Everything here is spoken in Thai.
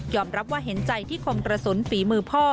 รับว่าเห็นใจที่คมกระสุนฝีมือพ่อ